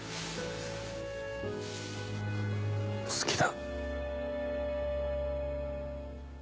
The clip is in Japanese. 好きだ